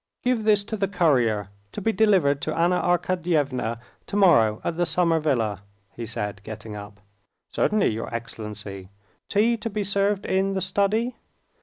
"Give this to the courier to be delivered to Anna Arkadyevna tomorrow at the summer villa," he said, getting up. "Certainly, your excellency; tea to be served in the study?"